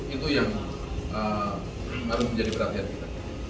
itu yang harus menjadi perhatian kita